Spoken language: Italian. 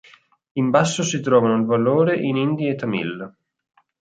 In basso si trovano il valore in hindi e tamil.